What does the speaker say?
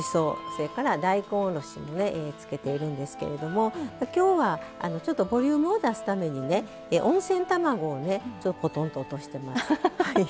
それから大根おろしもつけているんですけどもきょうはちょっとボリュームを出すために温泉卵をぽとんと落としています。